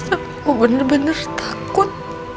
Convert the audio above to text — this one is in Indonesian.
aku bener bener takut